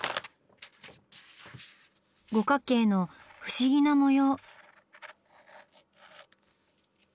五角形の不思議な模様。